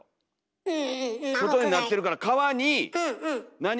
外になってるから皮に何。